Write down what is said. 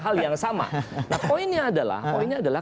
hal yang sama nah poinnya adalah